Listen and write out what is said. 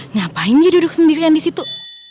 ngapain dia duduk sendirian disitu